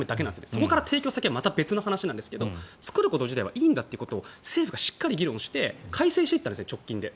そこからの提供先はまた別なんですが作ること自体はいいんだと政府がしっかり議論して改正していったんです直近で。